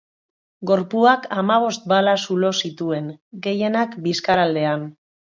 Gorpuak hamabost bala zulo zituen, gehienak bizkar aldean.